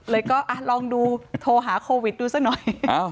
เลยก็ลองดูโทรหาโควิดดูซะหน่อย